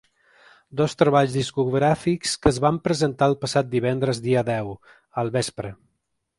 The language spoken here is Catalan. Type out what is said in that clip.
Dos treballs discogràfics que es van presentar el passat divendres dia deu, al vespre.